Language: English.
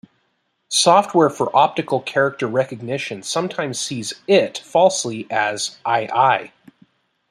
Software for optical character recognition sometimes sees it falsely as "ii".